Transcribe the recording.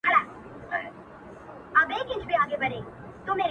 نه سېلونه هر آواز ته سی راتللای -